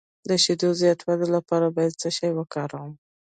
د شیدو زیاتولو لپاره باید څه شی وکاروم؟